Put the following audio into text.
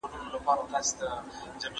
موږ باید د خپلو حقونو دفاع وکړو.